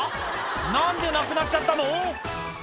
「何でなくなっちゃったの？」